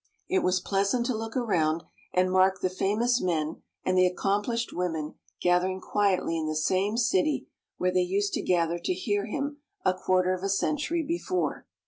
It was pleasant to look around and mark the famous men and the accomplished women gathering quietly in the same city where they used to gather to hear him a quarter of a century before.